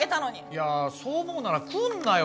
いやそう思うなら来んなよ！